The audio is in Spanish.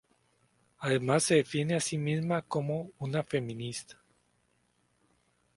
Además se define a sí misma como una feminista.